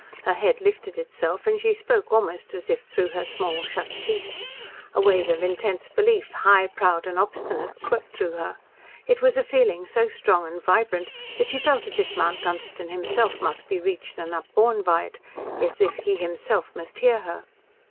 Her head lifted itself and she spoke almost as if through her small, shut teeth. A wave of intense belief high, proud, and obstinate, swept through her. It was a feeling so strong and vibrant that she felt as if Mount Dunstan himself must be reached and upborne by it as if he himself must hear her.